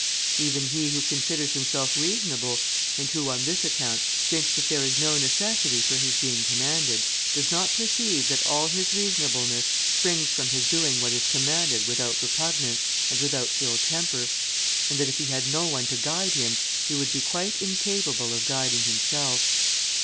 Even he who considers himself reasonable, and who, on this account, thinks that there is no necessity for his being commanded, does not perceive that all his reasonableness springs from his doing what is commanded without repugnance, and without ill temper; and that if he had no one to guide him, he would be quite incapable of guiding himself.